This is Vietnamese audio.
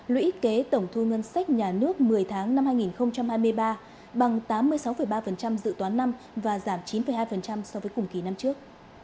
lũy kế tổng thu ngân sách nhà nước một mươi tháng năm hai nghìn hai mươi ba bằng tám mươi sáu ba dự toán năm và giảm chín hai so với cùng kỳ năm trước